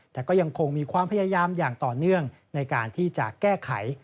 แต่ก็ยังคงมีความพยายามอย่างต่อเนื่องในการที่จะแก้ไข